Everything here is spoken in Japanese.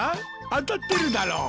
当たってるだろう？